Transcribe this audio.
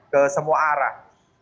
ke semua arah